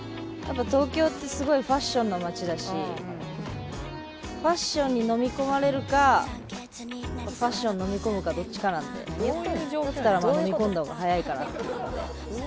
「東京ってすごいファッションの街だしファッションに飲み込まれるかファッションを飲み込むかどっちかなんでだったら飲み込んだ方が早いかなっていうので」